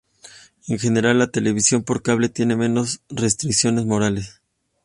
En general, la televisión por cable tiene menos restricciones morales.